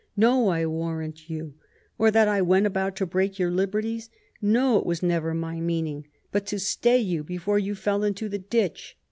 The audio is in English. No, I warrant you. Or that I • went about to break your 96 QUEEN ELIZABETH, liberties? No, it never was my meaning; but to stay you before you fell into the ditch.